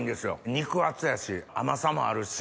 肉厚やし甘さもあるし。